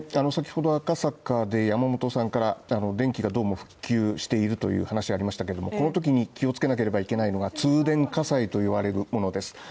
先ほど赤坂で山本さんから電気がどうも復旧しているという話がありましたけれども、このときに気をつけなければいけないのが通電火災と言われるものです。